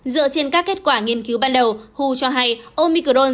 dựa trên các kết quả nghiên cứu ban đầu hu cho hay omicron